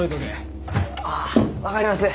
あ分かります。